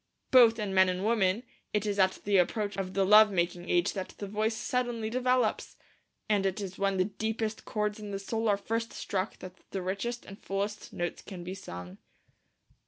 Both in men and women it is at the approach of the love making age that the voice suddenly develops, and it is when the deepest chords in the soul are first struck that the richest and fullest notes can be sung.